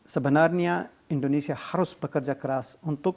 sebenarnya indonesia harus bekerja keras untuk